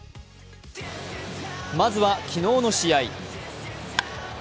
まずは昨日の試合。